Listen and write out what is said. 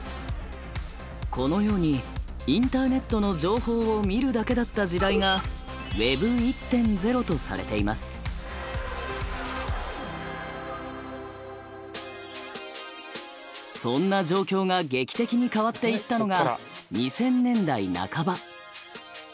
このようにインターネットの情報を見るだけだった時代がそんな状況が劇的に変わっていったのが２０００年代半ば。